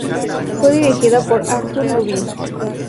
Fue dirigida por Arthur Lubin.